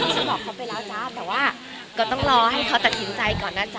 แต่ว่าก็ต้องรอให้เค้าตัดสินใจ